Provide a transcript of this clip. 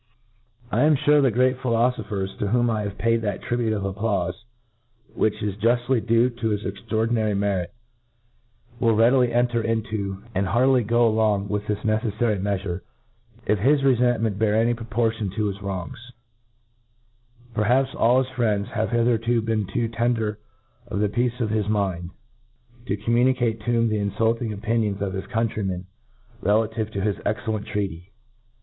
I am furc the great philo 12 B I^ K ? A Q Bv philofophcr, to whom I have paid tb^at trihi^te of applaufe which i$ juftly due to lus extraordinar]^ merit, will readily enter imo, zxfd heartily go a long with this ncceffary mcaflHre, if bis refent mcnt bear any proportion to bis wrongs, Per«^ haps all his friends have hitherto been too ten der of the peace of his mind, to communicate to him the infulting opinions ipf his countrymeii .' relative to his excellent tr^atife.